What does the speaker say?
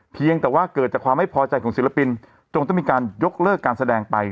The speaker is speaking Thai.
เพียงแต่ว่าเกิดจากความไม่พอใจของศิลปินจงต้องมีการยกเลิกการแสดงไป